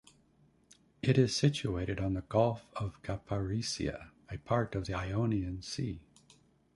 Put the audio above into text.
It is situated on the Gulf of Kyparissia, a part of the Ionian Sea.